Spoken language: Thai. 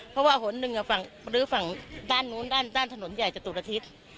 เพราะว่าโหนึงอ่ะฝั่งหรือฝั่งด้านนู้นด้านด้านถนนใหญ่จากตุลทิศ